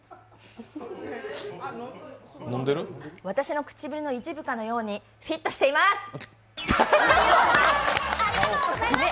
私の唇の一部かのようにフィットしています。